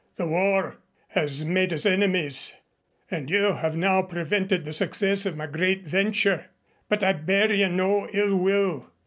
The war has made us enemies, and you have now prevented the success of my great venture. But I bear you no illwill.